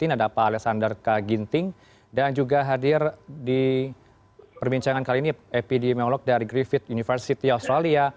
ada pak alexander k ginting dan juga hadir di perbincangan kali ini epidemiolog dari griffith university australia